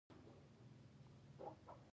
دولتونه نشي کولی سیاست له اقتصاد څخه جلا کړي